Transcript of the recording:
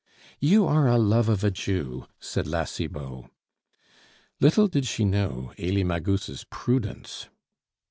"You are a love of a Jew," said La Cibot. Little did she know Elie Magus' prudence.